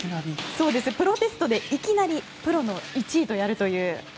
プロテストで、いきなりプロの１位とやるという。